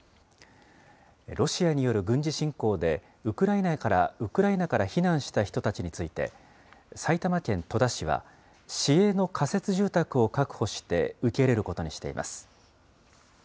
ロシアによる軍事侵攻でウクライナから避難した人たちについて、埼玉県戸田市は、市営の仮設住宅を確保して受け入れることにしています。